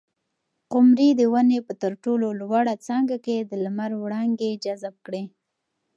قمرۍ د ونې په تر ټولو لوړه څانګه کې د لمر وړانګې جذب کړې.